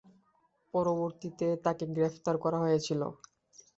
পরবর্তীতে, তাকে গ্রেফতার করা হয়েছিল।